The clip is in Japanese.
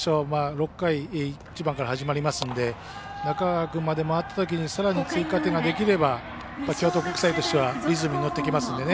６回、１番から始まりますので、中川君まで回ったときにさらに追加点ができれば京都国際としてはリズムにのってきますんでね。